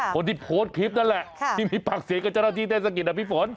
คนที่โพสต์คลิปนั่นแหละที่มีปากเสียงกับเจ้าหน้าที่เทศกิจอ่ะพี่ฝน